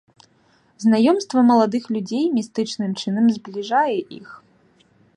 Знаёмства маладых людзей містычным чынам збліжае іх.